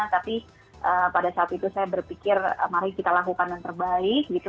tapi pada saat itu saya berpikir mari kita lakukan yang terbaik gitu